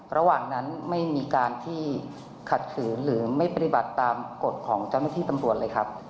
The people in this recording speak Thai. ระหว่างนั้นไม่มีการที่ขัดขืนหรือไม่ปฏิบัติตามกฎของเจ้าหน้าที่ตำรวจเลยครับ